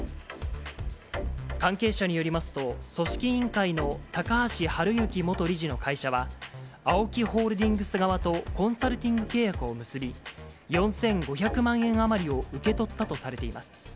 関係者によりますと、組織委員会の高橋治之元理事の会社は、ＡＯＫＩホールディングス側とコンサルティング契約を結び、４５００万円余りを受け取ったとされています。